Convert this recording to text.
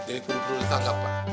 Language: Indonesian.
ini penjahat pak